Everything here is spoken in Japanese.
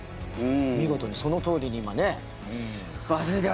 見事にそのとおりに今ね。